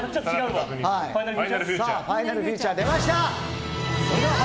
ファイナルフューチャー出ました。